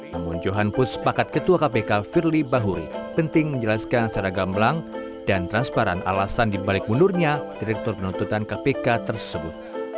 namun johan puspakat ketua kpk firly bahuri penting menjelaskan secara gamblang dan transparan alasan dibalik mundurnya direktur penuntutan kpk tersebut